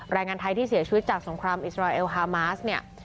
แรงงานไทยที่เสียชีวิตจากสงครามอิสราเอลฮามาสเนี่ย